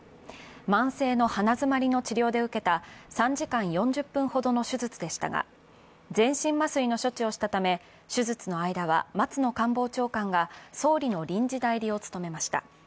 慢性の鼻詰まりの治療で受けた３時間４０分ほどの手術でしたが全身麻酔の処置をしたため手術の間は松野官房長官が総理臨時代理を務めました。